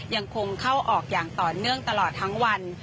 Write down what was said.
ยังคงเข้าออกอย่างต่อเนื่องตลอดทั้งวัน